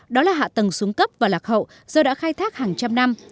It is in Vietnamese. đó là hạ tầng xuống cấp và lạc hậu do đã khai thác hàng trăm năm